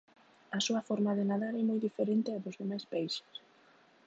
A súa forma de nadar é moi diferente á dos demais peixes.